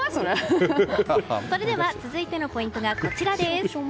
それでは続いてのポイントがこちらです。